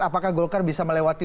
apakah golkar bisa melewati